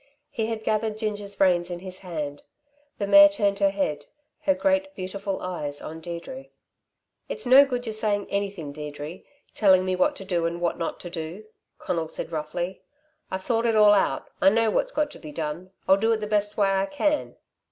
He had gathered Ginger's reins in his hand. The mare turned her head, her great beautiful eyes on Deirdre. "It's no good you're saying anything, Deirdre, telling me what to do and what not to do," Conal said roughly. "I've thought it all out. I know what's got to be done. I'll do it the best way I can."